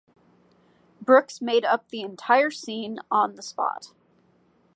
Brooks made up the entire scene on the spot.